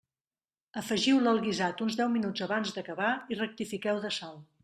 Afegiu-la al guisat uns deu minuts abans d'acabar i rectifiqueu de sal.